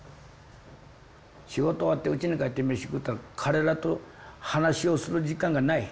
仕事終わってうちに帰って飯食ったら彼らと話をする時間がない。